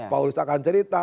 paulus akan cerita